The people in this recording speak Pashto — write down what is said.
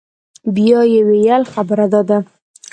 بيا يې وويل خبره دا ده.